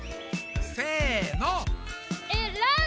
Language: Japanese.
せの！